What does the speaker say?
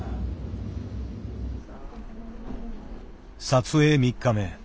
撮影３日目。